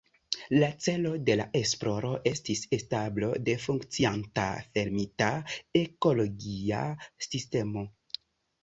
La celo de la esploro estis establo de funkcianta fermita ekologia sistemo.